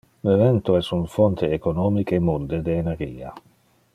Le vento es un fonte economic e munde de energia.